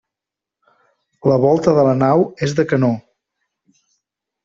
La volta de la nau és de canó.